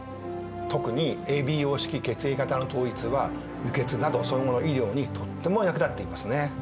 特にＡＢＯ式血液型の統一は輸血などその後の医療にとっても役立っていますね。